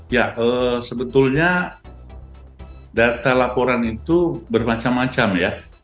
ya sebetulnya data laporan itu bermacam macam ya